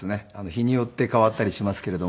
日によって変わったりしますけれども。